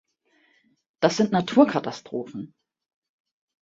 Das sind Naturkatastrophen!